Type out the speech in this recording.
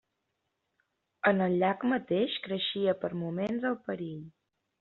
En el llac mateix creixia per moments el perill.